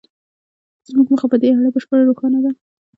زموږ موخه په دې اړه بشپړه روښانه ده